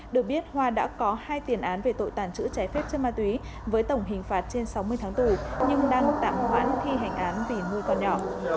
được biết hoa đã có hai tiền án về tội tàng trữ trái phép chất ma túy với tổng hình phạt trên sáu mươi tháng tù nhưng đang tạm hoãn thi hành án vì nuôi con nhỏ